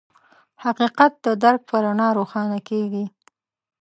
حقیقت د درک په رڼا روښانه کېږي.